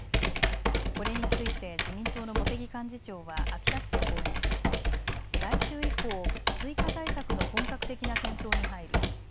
これについて自民党の茂木幹事長は秋田市で講演し来週以降、追加対策の本格的な検討に入る。